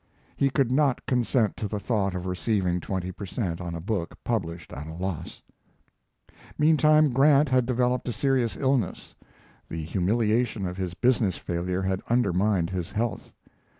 He could not consent to the thought of receiving twenty per cent. on a book published at a loss. Meantime, Grant had developed a serious illness. The humiliation of his business failure had undermined his health.